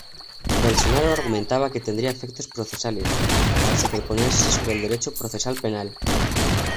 Bolsonaro argumentaba que tendría efectos procesales, al superponerse sobre el derecho procesal penal.